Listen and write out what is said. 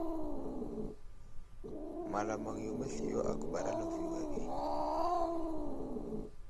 Malamaŋ yo məsliyo a guɓar a lovige.